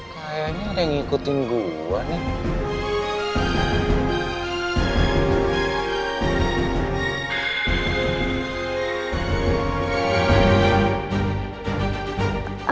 kayaknya ada yang ikutin gua nih